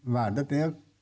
và đất nước